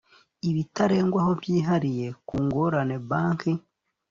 ibitarengwaho byihariye ku ngorane banki